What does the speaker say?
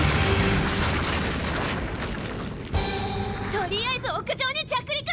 取りあえず屋上に着陸！